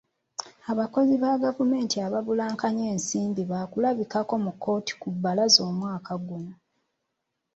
Abakozi ba gavumenti abaabulankanya ensimbi baakulabikako mu kkooti ku bbalaza omwaka guno.